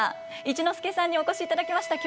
一之輔さんにお越しいただきました。